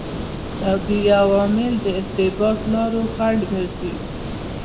طبیعي عوامل د ارتباط لارو خنډ ګرځي.